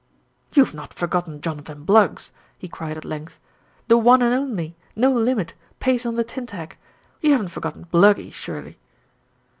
"You've not forgotten Jonathan Bluggs?" he cried at length. "The One and Only, no limit, pays on the tin tack. You haven't forgotten Bluggy, surely?"